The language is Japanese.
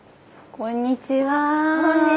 こんにちは。